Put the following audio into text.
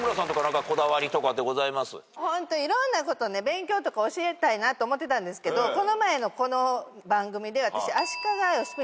ホントいろんなこと勉強とか教えたいと思ってたけどこの前のこの番組で私。